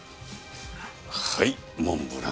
はいモンブラン。